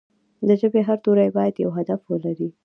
د ژبې هر توری باید یو هدف ولري.